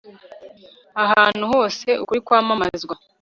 Ahantu hose ukuri kwamamazwa